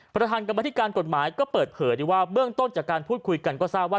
ประธานกรรมธิการกฎหมายก็เปิดเผยดีว่าเบื้องต้นจากการพูดคุยกันก็ทราบว่า